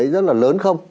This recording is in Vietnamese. rất là lớn không